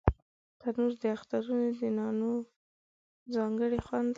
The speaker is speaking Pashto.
تنور د اخترونو د نانو ځانګړی خوند لري